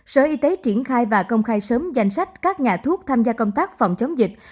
sở y tế triển khai và công khai sớm danh sách các nhà thuốc tham gia công tác phòng chống dịch